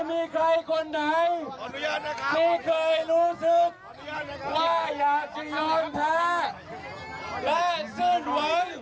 มีใครคนไหนที่เคยรู้สึกว่าอย่าจะยอมแท้และซึ่งหวัง